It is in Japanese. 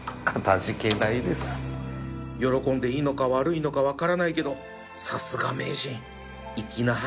喜んでいいのか悪いのか分からないけどさすが名人粋な計らいだ